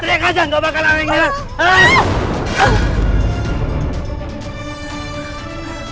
teriak aja gak bakalan ada yang ngeras